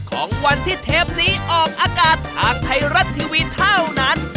ของวันที่เทปนี้ออกอากาศทางไทยรัฐทีวีเท่านั้น